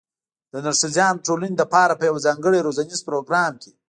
د نرښځیانو ټولنې لپاره په یوه ځانګړي روزنیز پروګرام کې